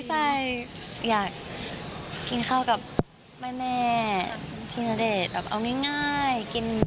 ใช่อยากกินข้าวกับแม่พี่ณเดชน์แบบเอาง่ายกิน